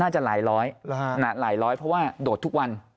น่าจะหลายร้อยเพราะว่าโดดทุกวัน